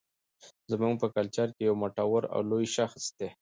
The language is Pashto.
زموږ په کلچر کې يو مټور او لوى شخص دى